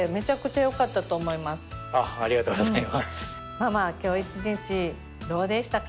ママ今日一日どうでしたか？